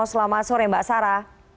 selamat sore mbak sara